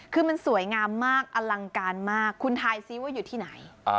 คือมันสวยงามมากอลังการมากคุณทายซิว่าอยู่ที่ไหน